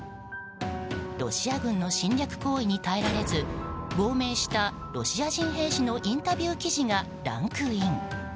ロシア軍の侵略行為に耐えられず亡命したロシア人兵士のインタビュー記事がランクイン。